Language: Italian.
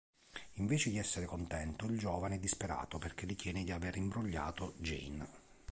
Invece di essere contento, il giovane è disperato perché ritiene di aver imbrogliato Jane.